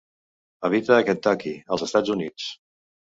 Habita a Kentucky, als Estats Units.